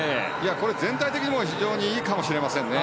全体的に非常にいいかもしれません。